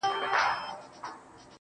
اوس په فلسفه باندي پوهېږمه.